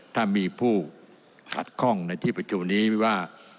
ถ้ามีผู้ขัดข้องในที่ประชุมนี้ว่า